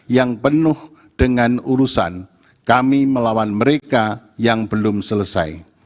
yang penuh dengan urusan kami melawan mereka yang belum selesai